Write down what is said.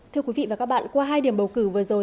thưa quý vị và các bạn qua hai điểm bầu cử vừa rồi